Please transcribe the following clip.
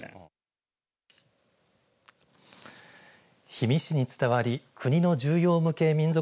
氷見市に伝わり国の重要無形民俗